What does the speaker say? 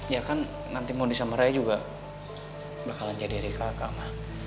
ya kan nanti bondi sama raya juga bakalan jadi adik kakak mah